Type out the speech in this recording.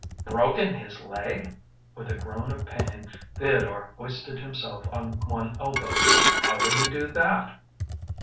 "Broken his leg!" With a groan of pain Theodore hoisted himself on one elbow. "How did he do that?"